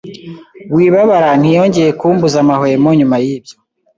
Wibabara ntiyongeye kumbuza amahwemo nyuma yibyo.